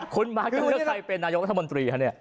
คุณมักจะเลือกใครเป็นนายกรัฐมนตรีคะเนี่ย